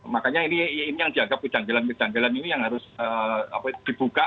makanya ini yang dianggap kejanggalan kejanggalan ini yang harus dibuka